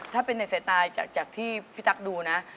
ถ้าเป็นในสายตาจากที่พี่ตั๊กดูนะ